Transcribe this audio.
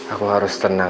aku harus tenang